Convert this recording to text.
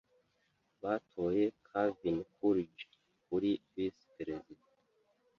Batoye Calvin Coolidge kuri visi perezida.